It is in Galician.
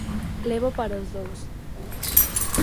Levo para os dous.